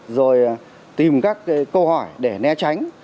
rồi tìm các câu hỏi để né tránh